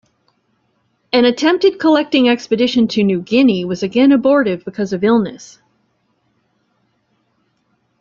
An attempted collecting expedition to New Guinea was again abortive because of illness.